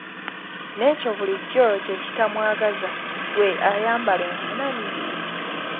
N'ekyo bulijjo kye kitamwagaza ggwe ayambala enkunamyo.